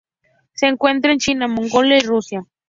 Se encuentra en China, Mongolia, y Rusia.